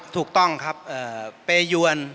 ถูกต้องครับเปยวน